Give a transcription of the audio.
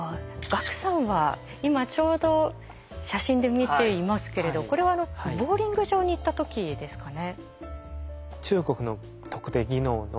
さんは今ちょうど写真で見ていますけれどこれはボウリング場に行った時ですかね？